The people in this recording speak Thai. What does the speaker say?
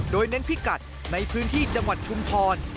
โดยเน้นพิกัดในพื้นที่จังหวัดชุมพร